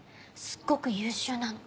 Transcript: すっごく優秀なの。